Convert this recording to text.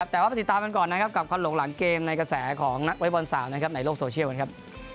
แต่ว่าไปติดตามกันก่อนนะครับกับควันหลงหลังเกมในกระแสของนักวอเล็กบอลสาวนะครับในโลกโซเชียลนะครับ